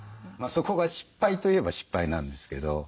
そこが失敗といえば失敗なんですけど。